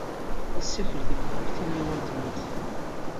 Yessakel deg wakk timiwa n tmurt.